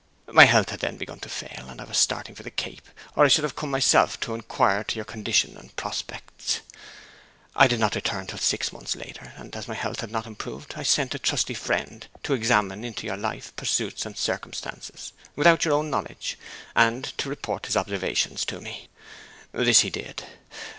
My health had then begun to fail, and I was starting for the Cape, or I should have come myself to inquire into your condition and prospects. I did not return till six months later, and as my health had not improved I sent a trusty friend to examine into your life, pursuits, and circumstances, without your own knowledge, and to report his observations to me. This he did.